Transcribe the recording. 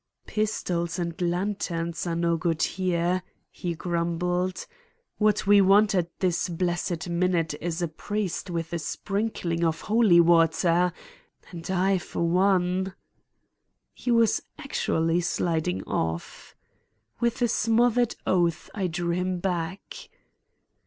"Pistols and lanterns are no good here," he grumbled. "What we want at this blessed minute is a priest with a sprinkling of holy water; and I for one—" He was actually sliding off. With a smothered oath I drew him back.